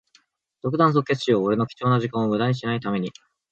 即断即決しよう。俺の貴重な時間をむだにしない為に。